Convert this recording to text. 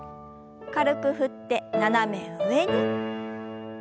軽く振って斜め上に。